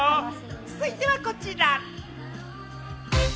続いてはこちら。